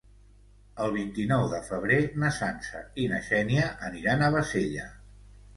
El vint-i-nou de febrer na Sança i na Xènia aniran a Bassella.